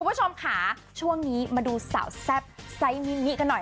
ขุมผู้ชมค่ะช่วงนี้มาดูสาวแซ่บไซมีมาค่ะหน่อย